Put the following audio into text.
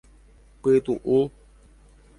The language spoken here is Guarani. Pytuʼu.